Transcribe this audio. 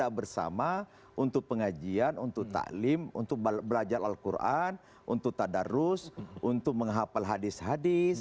kita bersama untuk pengajian untuk ⁇ talim untuk belajar al quran untuk tadarus untuk menghapal hadis hadis